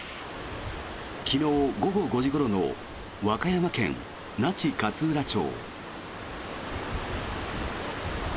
昨日午後５時ごろの和歌山県那智勝浦町。